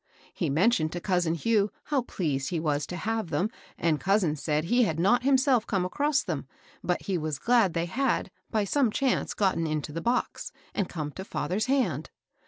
He mentioned to cousin Hugh how pleased he was to have them, and cousin said he had not himself come across them, but he Wfj^ glad they had, by some chance, gotten into the box, and come to fether's hand.